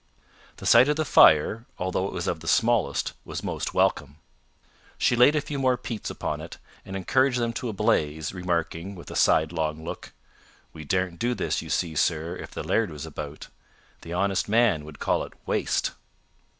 The sight of the fire, although it was of the smallest, was most welcome. She laid a few more peats upon it, and encouraged them to a blaze, remarking, with a sidelong look: "We daren't do this, you see, sir, if the laird was about. The honest man would call it waste."